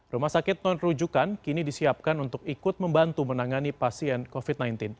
rumah sakit non rujukan kini disiapkan untuk ikut membantu menangani pasien covid sembilan belas